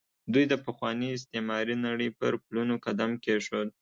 دوی د پخوانۍ استعماري نړۍ پر پلونو قدم کېښود.